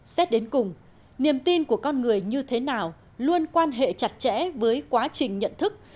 xét đến cùng niềm tin của con người như thế nào luôn quan hệ chặt chẽ với quá trình nhận thức